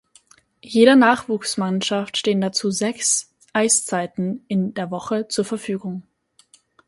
Jeder Nachwuchsmannschaft stehen dazu sechs Eiszeiten in der Woche zur Verfügung.